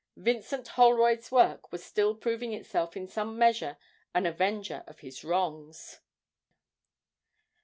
Vincent Holroyd's work was still proving itself in some measure an avenger of his wrongs.